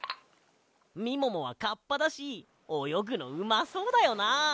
みももはカッパだしおよぐのうまそうだよな！